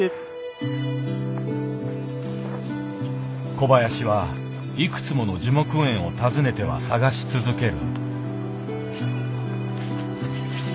小林はいくつもの樹木園を訪ねては探し続ける。